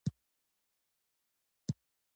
مونږ په دودیزو لوبو کې ګډون وکړ.